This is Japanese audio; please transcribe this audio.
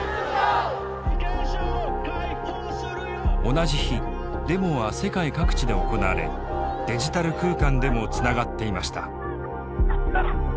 同じ日デモは世界各地で行われデジタル空間でもつながっていました。